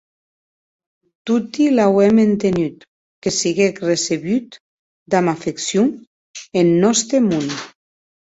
Toti l'auem entenut, que siguec recebut damb afeccion en nòste mon.